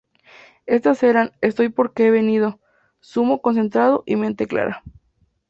Estas eran "Estoy porque he venido", "Zumo concentrado" y "Mente clara".